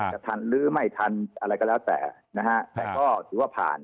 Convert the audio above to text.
จะทันหรือไม่ทันอะไรก็แล้วแต่นะฮะแต่ก็ถือว่าผ่าน